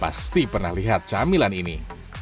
pasti pernah lihat camilan ini